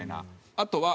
あとは。